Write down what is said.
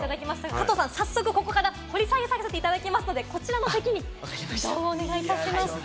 加藤さん、早速、ここから掘り下げさせていただきますので、こちらの席に移動をお願いいたします。